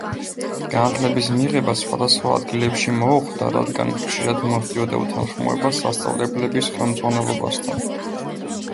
განათლების მიღება სხვადასხვა ადგილებში მოუხდა, რადგან ხშირად მოსდიოდა უთანხმოება სასწავლებლების ხელმძღვანელობასთან.